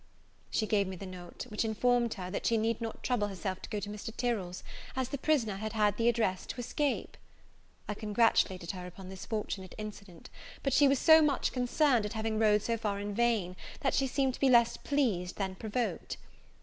She gave me the note; which informed her, that she need not trouble herself to go to Mr. Tyrell's, as the prisoner had had the address to escape. I congratulated her upon this fortunate incident; but she was so much concerned at having rode so far in vain, that she seemed to be less pleased than provoked.